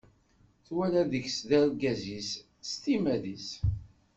Twala deg-s d argaz-is s timmad-is.